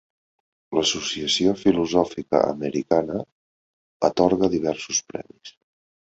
L'Associació Filosòfica Americana atorga diversos premis.